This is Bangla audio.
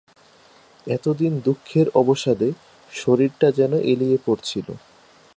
এতদিন দুঃখের অবসাদে শরীরটা যেন এলিয়ে পড়ছিল।